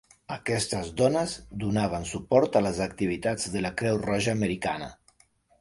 Aquestes dones donaven suport a les activitats de la Creu Roja americana.